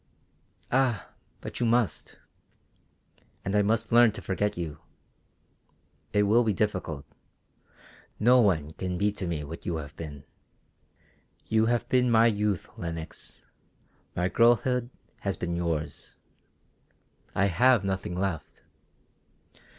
"Ah, but you must. And I must learn to forget you. It will be difficult. No one can be to me what you have been. You have been my youth, Lenox; my girlhood has been yours. I have nothing left.